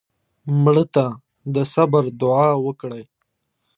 مړه ته د صبر دوعا وکړې